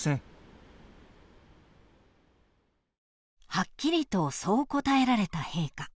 ［はっきりとそう答えられた陛下］